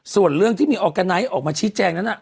ส่วนเรื่องที่มีออร์แกไนท์ออกมาชี้แจงนั้น